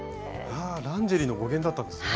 ランジェリーの語源だったんですね。